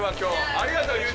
ありがとう。